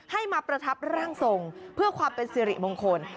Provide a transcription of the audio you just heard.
ให้มาประทับร่างทรงเพื่อความเป็นสิริมงคล